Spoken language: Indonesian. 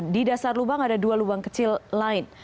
di dasar lubang ada dua lubang kecil lain